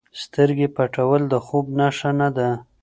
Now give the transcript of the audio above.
سترګې پټول د خوب نښه نه ده.